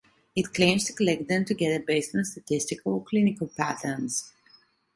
It claims to collect them together based on statistical or clinical patterns.